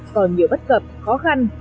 còn nhiều bất cập khó khăn